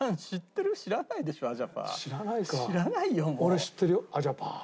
俺知ってるよアジャパー。